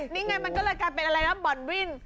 นี่ไงมันก็เลยกลายเป็นอะไรนะบ่อนวิน